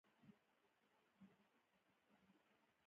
چې روسي نوم ئې Bratstvoدے